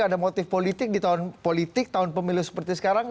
ada motif politik di tahun politik tahun pemilu seperti sekarang